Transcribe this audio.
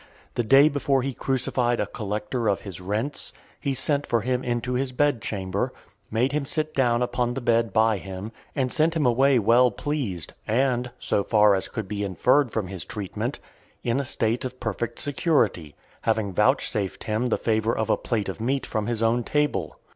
The day before he crucified a collector of his rents, he sent for him into his bed chamber, made him sit down upon the bed by him, and sent him away well pleased, and, so far as could be inferred from his treatment, in a state of perfect security; having vouchsafed him the favour of a plate of meat from his own table.